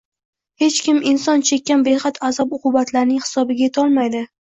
Hech kim «inson chekkan behad azob-uqubatlar»ning hisobiga yeta olmaydi